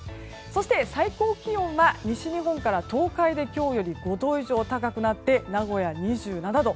そして最高気温は西日本から東海で今日より５度以上高くなって名古屋２７度。